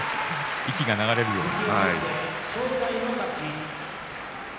息が流れるような。